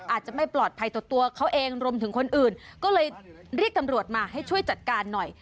อาจจะไม่ปลอดภัยต่อตัวเขาเองรวมถึงคนอื่นก็เลยเรียกตำรวจมาให้ช่วยจัดการหน่อย